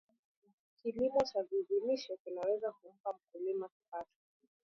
kilimo cha vizi lishe kinaweza kumpa mkulima kipato